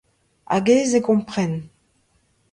Hag aes eo kompren.